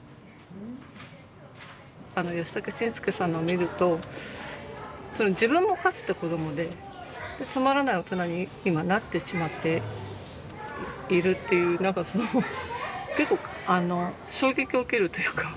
あのヨシタケシンスケさんのを見ると自分もかつて子どもでつまらない大人に今なってしまっているっていう何かその結構あの衝撃を受けるというか。